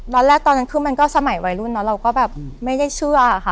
ตอนแรกตอนนั้นคือมันก็สมัยวัยรุ่นเนอะเราก็แบบไม่ได้เชื่อค่ะ